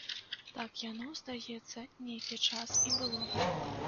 Так яно, здаецца, нейкі час і было.